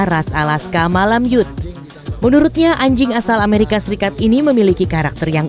ras alaska malam yut menurutnya anjing asal amerika serikat ini memiliki karakter yang